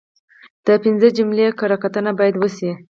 د پنځه جملې کره کتنه باید وشي.